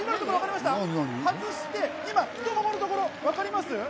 外して今、太もものところ、分かります？